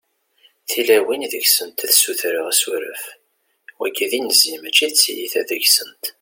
tilawin deg-sent ad ssutreɣ asuref, wagi d inzi mačči t-tiyita deg-sent